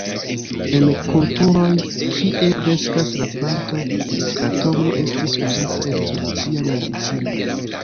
En kulturoj, kie kreskas la planto, kratomo estis uzata en tradicia medicino.